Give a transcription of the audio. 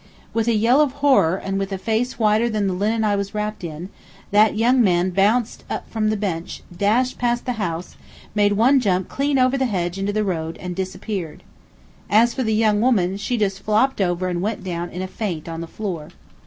With a yell of horror, and with a face whiter than the linen I was wrapped in, that young man bounced from the bench, dashed past the house, made one clean jump over the hedge into the road, and disappeared. As for the young woman, she just flopped over and went down in a faint on the floor.